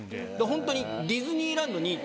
ホントに。